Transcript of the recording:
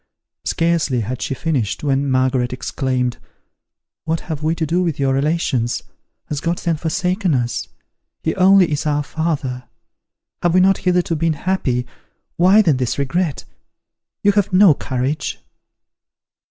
Scarcely had she finished, when Margaret exclaimed, "What have we to do with your relations? Has God then forsaken us? He only is our father! Have we not hitherto been happy? Why then this regret? You have no courage."